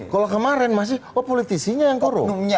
kalau kemarin masih oh politisinya yang korup